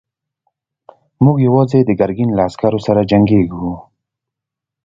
موږ يواځې د ګرګين له عسکرو سره جنګېږو.